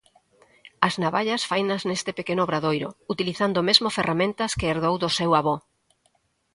As navallas fainas neste pequeno obradoiro, utilizando mesmo ferramentas que herdou do seu avó.